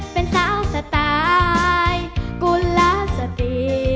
เป็นสาวสไตล์กุลสติ